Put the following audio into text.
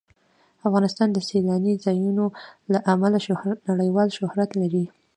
افغانستان د سیلاني ځایونو له امله نړیوال شهرت لري.